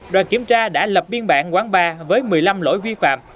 đoàn kiểm tra đã lập biên bản quán bar với một mươi năm lỗi vi phạm